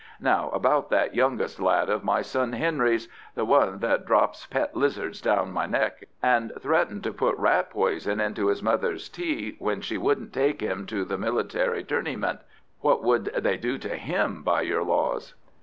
Now, about that youngest lad of my son Henry's the one that drops pet lizards down my neck, and threatened to put rat poison into his mother's tea when she wouldn't take him to the Military Turneyment; what would they do to him by your laws?"